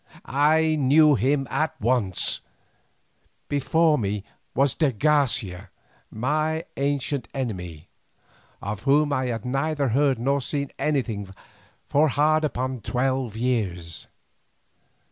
I knew him at once; before me was de Garcia, my ancient enemy, of whom I had neither heard nor seen anything for hard upon twelve years.